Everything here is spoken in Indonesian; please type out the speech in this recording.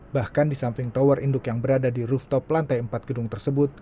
bahkan di samping tower induk yang berada di rooftop lantai empat gedung tersebut